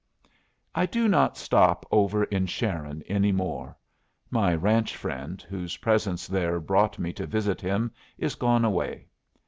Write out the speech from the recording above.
I do not stop over in Sharon any more. My ranch friend, whose presence there brought me to visit him, is gone away.